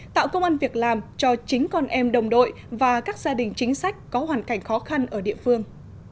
tạo công an việc làm cho chính con em đồng đội và các gia đình chính sách có hoàn cảnh khó khăn ở địa phương